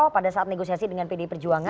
pada saat negosiasi dengan pdi perjuangan